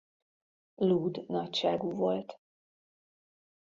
Lúd nagyságú volt.